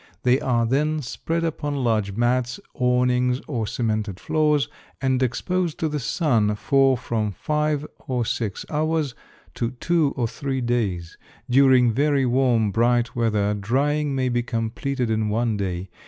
They are then spread upon large mats, awnings, or cemented floors, and exposed to the sun for from five or six hours to two or three days. During very warm, bright weather drying may be completed in one day.